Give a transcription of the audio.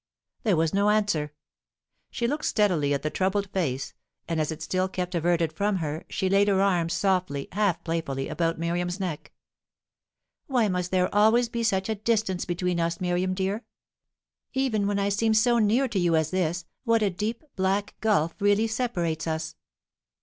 There was no answer. She looked steadily at the troubled face, and, as it still kept averted from her, she laid her arms softly, half playfully, about Miriam's neck. "Why must there always be such a distance between us, Miriam dear? Even when I seem so near to you as this, what a deep black gulf really separates us!"